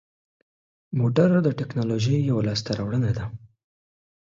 موټر د تکنالوژۍ یوه لاسته راوړنه ده.